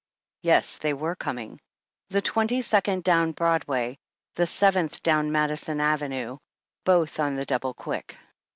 Yes, they were coming — the Twenty second down Broadway, the Seventh down Madison avenue, both on the double quick.